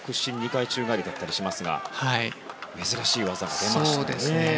２回宙返りだったりしますが珍しい技が出ました。